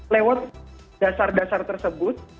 lewat dasar dasar tersebut